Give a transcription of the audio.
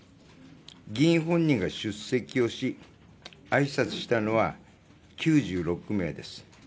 議員本人が出席をしあいさつしたのは９６名です。